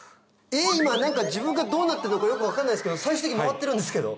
今自分がどうなってるのかよく分かんないですけど最終的に回ってるんですけど。